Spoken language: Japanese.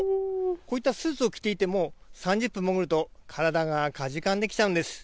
こういったスーツを着ていても３０分潜ると体がかじかんできちゃうんです。